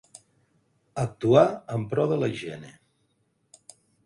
Actuar en pro de la higiene.